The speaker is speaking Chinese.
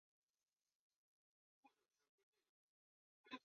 他在拜仁的第一个赛季也使他赢得了德国足球先生的荣誉。